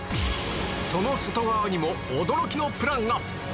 その外側にも驚きのプランが！